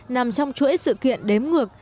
nằm trong chuỗi sự kiện đếm ngược